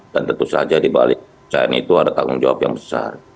dan tentu saja di balik saya ini itu ada tanggung jawab yang besar